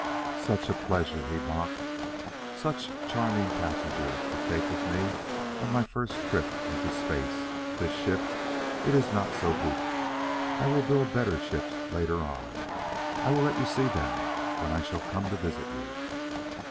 "Such a pleasure!" he mocked; "such charming passengers to take with me on my first trip into space; this ship, it iss not so goot. I will build better ships later on; I will let you see them when I shall come to visit you."